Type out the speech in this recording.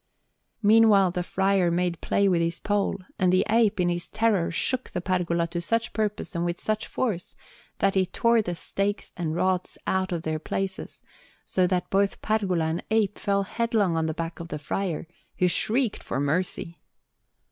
Meanwhile the friar made play with his pole, and the ape, in his terror, shook the pergola to such purpose, and with such force, that he tore the stakes and rods out of their places, so that both pergola and ape fell headlong on the back of the friar, who shrieked for mercy.